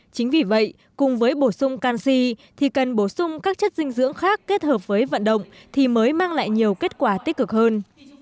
chính vì vậy cùng với bổ sung canxi thì cần bổ sung các chất dinh dưỡng khác kết hợp với vận động thì mới mang lại nhiều kết quả tích cực hơn